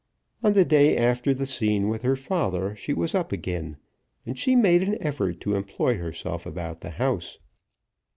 On the day after the scene with her father she was up again, and she made an effort to employ herself about the house.